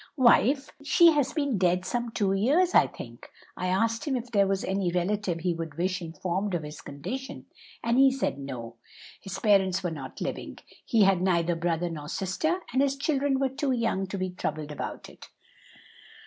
"Wife! She has been dead some two years, I think. I asked him if there was any relative he would wish informed of his condition, and he said no; his parents were not living, he had neither brother nor sister, and his children were too young to be troubled about it."